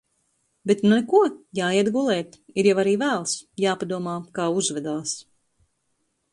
Bet nu neko, jāiet gulēt, ir jau arī vēls, jāpadomā, kā uzvedās.